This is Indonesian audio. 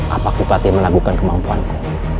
apakah kupati menaguhkan kemampuanku